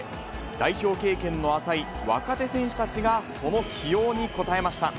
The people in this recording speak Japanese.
代表経験の浅い若手選手たちがその起用に応えました。